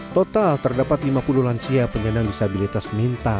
total terdapat lima puluh lansia penyandang disabilitas mental